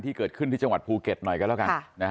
ที่เกิดขึ้นที่จังหวัดภูเก็ตหน่อยกันแล้วกัน